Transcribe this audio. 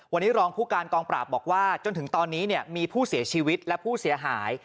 วันนี้รองผู้การกองปราบบอกว่าจนถึงตอนนี้มีผู้เสียชีวิตและผู้เสียหาย